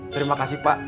terima kasih pak